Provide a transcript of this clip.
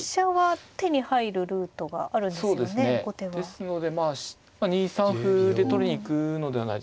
ですので２三歩で取りに行くのではないでしょうか。